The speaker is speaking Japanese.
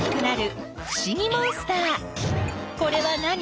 これは何？